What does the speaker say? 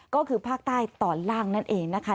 ก็คือภาคใต้ตอนล่างนั่นเองนะคะ